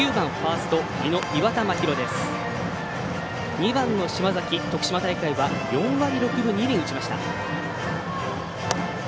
２番の島崎徳島大会は４割６分２厘打ちました。